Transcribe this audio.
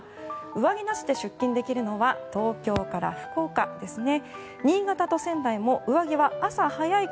上着なしで出勤できるのは東京から福岡ですね。